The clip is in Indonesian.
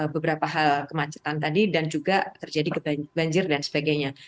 beberapa hal kemacetan tadi dan juga terjadi banjir dan sebagainya